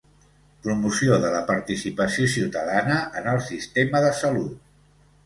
Promoció de la participació ciutadana en el sistema de salut.